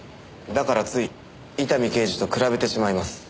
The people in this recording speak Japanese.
だからつい伊丹刑事と比べてしまいます。